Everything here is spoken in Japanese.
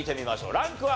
ランクは？